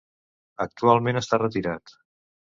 Actualment està retirat.